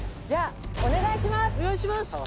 じゃあお願いします！